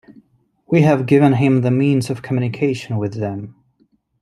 We have given him the 'means of communication' with Them.